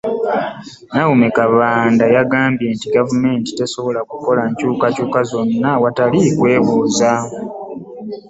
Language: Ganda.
Naome Kabanda yagambye nti gavumenti tesobola kukola nkyukakyuka zonna awatali kwebuuza